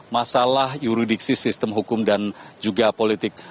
masalah yuridiksi sistem hukum dan juga politik